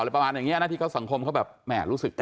แบบประมาณอย่างงี้ที่เขาสังคมก็แบบแม่รู้สึกต้นไป